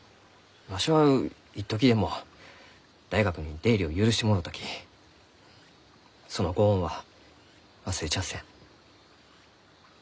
わしは一時でも大学に出入りを許してもろうたきそのご恩は忘れちゃあせん。